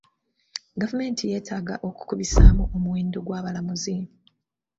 Gavumenti yeetaaga okukubisaamu omuwendo gw'abalamuzi.